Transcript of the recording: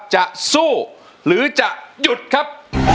จะสู้หรือจะหยุดครับ